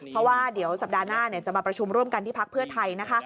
เพราะว่าเดี๋ยวสัปดาห์หน้าจะมาประชุมร่วมกันที่พักเพื่อไทยนะคะ